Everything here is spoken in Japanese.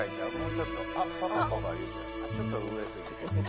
ちょっと上すぎ。